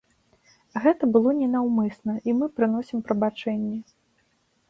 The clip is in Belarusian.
Гэта было ненаўмысна, і мы прыносім прабачэнні.